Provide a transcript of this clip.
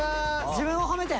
自分を褒めて！